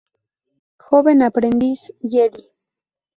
Joven aprendiz Jedi.